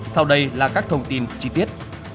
sau đây là các thông tin chi tiết